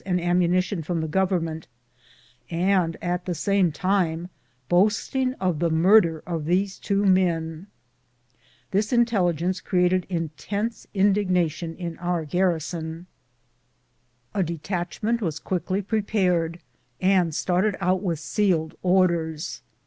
and ammunition from the Government, and at the same time boasting of tlie murder of these two men. This intelligence created intense indignation in our garrison. A detachment was quickly prepared, and started out with sealed orders.